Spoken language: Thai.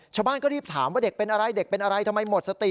ชาวบ้านก็รีบถามว่าเด็กเป็นอะไรทำไมหมดสติ